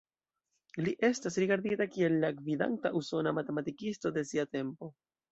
Li estas rigardita kiel la gvidanta usona matematikisto de sia tempo.